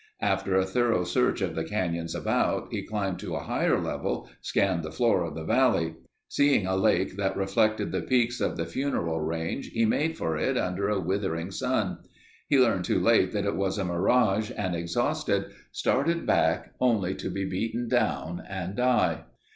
After a thorough search of the canyons about, he climbed to a higher level, scanned the floor of the valley. Seeing a lake that reflected the peaks of the Funeral Range he made for it under a withering sun. He learned too late that it was a mirage and exhausted, started back only to be beaten down and die.